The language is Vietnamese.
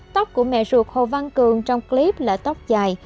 tóc của mẹ ruột hồ văn cường trong clip lại tóc dài